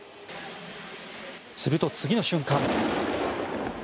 すると、次の瞬間。